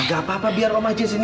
gapapa biar om aja di sini